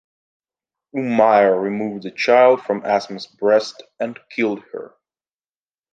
Umayr removed the child from Asma's breast and killed her.